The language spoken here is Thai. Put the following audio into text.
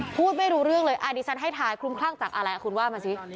พูดไม่รู้เรื่องเลยอันนี้ฉันให้ทายคลุมคลั่งจากอะไรคุณว่ามาสิ